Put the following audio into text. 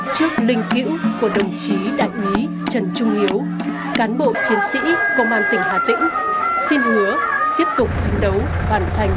trước linh cữu của đồng chí đại quý trần trung hiếu cán bộ chiến sĩ công an tỉnh hà tĩnh xin hứa tiếp tục phấn đấu hoàn thành